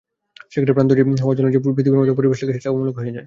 সেক্ষেত্রে প্রাণ তৈরী হওয়ার জন্য যে পৃথিবীর মতই পরিবেশ লাগবে এটা অমূলক হয়ে যায়।